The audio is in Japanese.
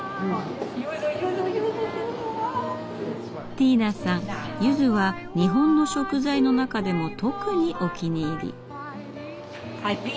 ティーナさんゆずは日本の食材の中でも特にお気に入り。